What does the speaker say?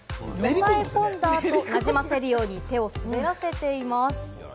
おさえ込んだ後、なじませるように手を滑らせています。